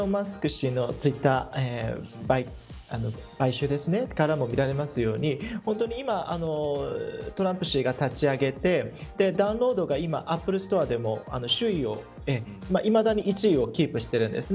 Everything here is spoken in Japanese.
氏のツイッター買収からも見られますように本当に今トランプ氏が立ち上げてダウンロードが今アップルストアでもいまだに１位をキープしているんです。